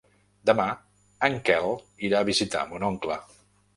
Demà en Quel irà a visitar mon oncle.